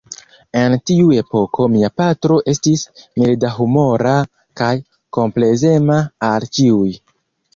En tiu epoko mia patro estis mildahumora kaj komplezema al ĉiuj.